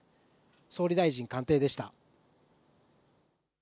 総理大臣官邸でした。